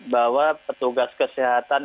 bahwa petugas kesehatan